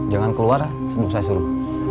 jangan keluar sebelum saya suruh